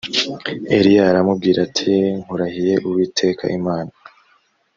eliya aramubwira ati nkurahiye uwiteka imana